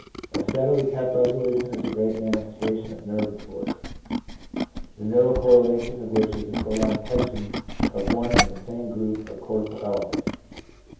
A steadily kept resolution is a great manifestation of nervous force, the neural correlation of which is a prolonged tension of one and the same group of cortical elements.